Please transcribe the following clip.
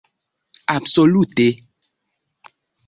absolute